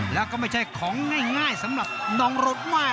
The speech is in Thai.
แล้วก็ไม่ใช่ของง่ายสำหรับน้องรถมาก